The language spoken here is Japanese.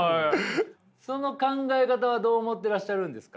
その考え方はどう思ってらっしゃるんですか？